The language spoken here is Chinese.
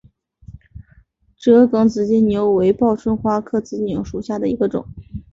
折梗紫金牛为报春花科紫金牛属下的一个种。